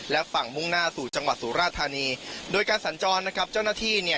และฝั่งมุ่งหน้าสู่จังหวัดสุราธานีโดยการสัญจรนะครับเจ้าหน้าที่เนี่ย